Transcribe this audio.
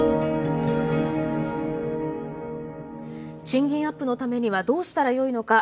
賃金アップのためにはどうしたらよいのか。